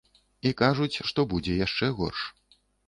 І кажуць, што будзе яшчэ горш.